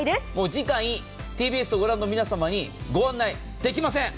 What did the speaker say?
次回ＴＢＳをご覧の皆様にご案内できません。